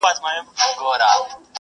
خیر محمد یو ډېر غریب او کارګر سړی دی.